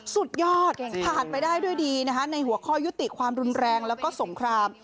สุดยอดผ่านไปได้ด้วยดีนะคะในหัวข้อยุติความรุนแรงแล้วก็สงคราม